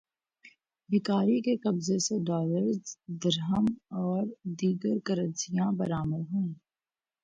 بھکاری کے قبضے سے ڈالرز، درہم اور دیگر کرنسیاں برآمد ہوئیں